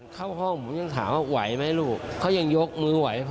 เข้าห้องผมยังถามว่าไหวไหมลูกเขายังยกมือไหว